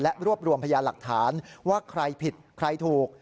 รวบรวมพยานหลักฐานว่าใครผิดใครถูก